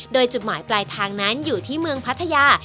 โดยจุดหมายปลายทางนั้นอยู่ที่เมืองพัทยา